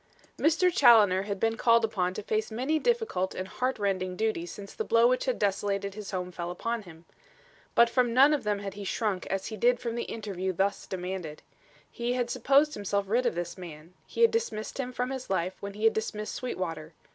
Mr. Challoner had been called upon to face many difficult and heartrending duties since the blow which had desolated his home fell upon him. But from none of them had he shrunk as he did from the interview thus demanded. He had supposed himself rid of this man. He had dismissed him from his life when he had dismissed Sweetwater.